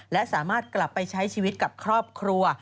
และสามารถกลับไปใช้ชีวิตกับครอบครัว